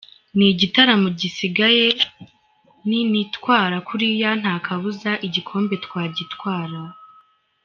N’igitaramo gisigaye ninitwara kuriya nta kabuza igikombe twagitwara.